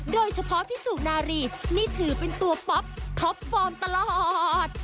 พี่สุนารีนี่ถือเป็นตัวป๊อปท็อปฟอร์มตลอด